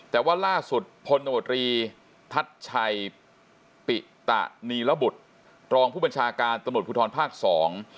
แต่ว่าล่าสุดพลตมตรีทัศน์ชัยปิตะนีระบุตรรองผู้บัญชาการตำรวจภูทรภาคสอง